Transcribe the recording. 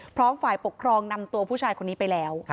ฝ่ายปกครองนำตัวผู้ชายคนนี้ไปแล้ว